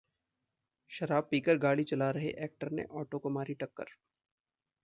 शराब पीकर गाड़ी चला रहे एक्टर ने ऑटो को मारी टक्कर